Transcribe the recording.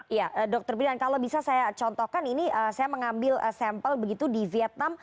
iya dokter bilian kalau bisa saya contohkan ini saya mengambil sampel begitu di vietnam